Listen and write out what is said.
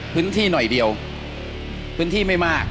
พื้นที่หน่อยเดียวพื้นที่ไม่มาก